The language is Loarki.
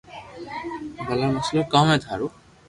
ڀلا مسلو ڪاو ھي ٿارو